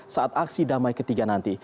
saat aksi damai ketiga nanti